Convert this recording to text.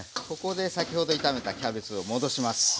ここで先ほど炒めたキャベツを戻します。